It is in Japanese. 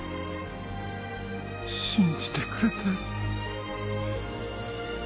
信じてくれて。